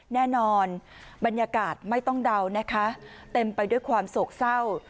แน่นอนบรรยากาศไม่ต้องเดานะคะเต็มไปด้วยความโศกเศร้า